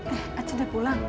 eh acun udah pulang